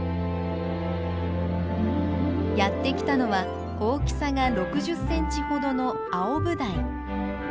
やって来たのは大きさが６０センチほどのアオブダイ。